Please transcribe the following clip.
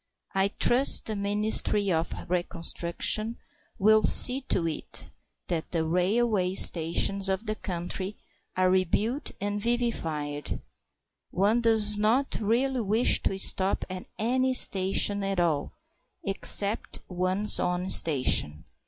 I trust the Ministry of Reconstruction will see to it that the railway stations of the country are rebuilt and vivified. One does not really wish to stop at any station at all except one's own station.